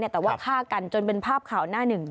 แต่ว่าฆ่ากันจนเป็นภาพข่าวหน้าหนึ่ง